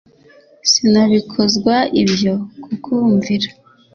sinabikozwa ibyo kukumvira